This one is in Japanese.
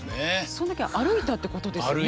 それだけ歩いたってことですよね